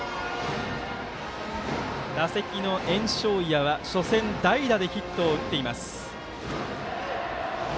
打席の焔硝岩は、初戦代打でヒットを打っています。